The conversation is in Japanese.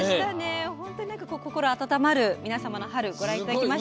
本当に心温まる皆様の春ご覧いただきました。